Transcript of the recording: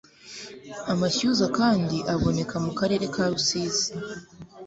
amashyuza kandi aboneka mu karere ka Rusizi.